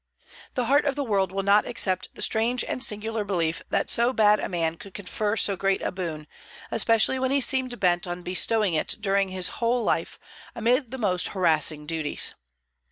The heart of the world will not accept the strange and singular belief that so bad a man could confer so great a boon, especially when he seemed bent on bestowing it during his whole life, amid the most harassing duties.